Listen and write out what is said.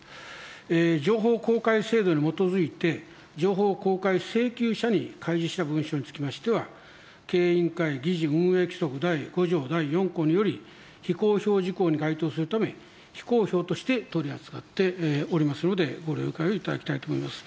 情報公開制度に基づいて、情報公開請求者に開示した文書につきましては、経営委員会議事運営規則第５条第４項により、非公表事項に該当するため、非公表として取り扱っておりますので、ご了解をいただきたいと思います。